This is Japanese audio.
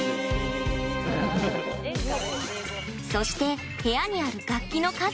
そして部屋にある楽器の数々。